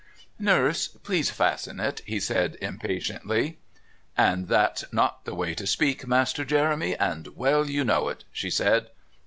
"Nurse. Please. Fasten it," he said impatiently. "And that's not the way to speak, Master Jeremy, and well you know it," she said.